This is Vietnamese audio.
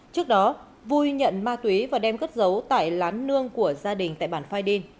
trước đó vui nhận ma túy và đem cất giấu tại lán nương của gia đình tại bản phaidin